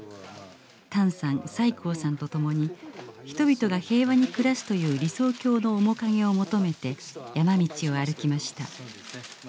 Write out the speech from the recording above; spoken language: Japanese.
唐さん蔡皋さんと共に人々が平和に暮らすという理想郷の面影を求めて山道を歩きました。